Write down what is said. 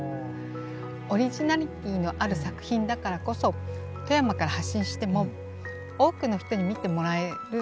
オリジナリティーのある作品だからこそ富山から発信しても多くの人に見てもらえる。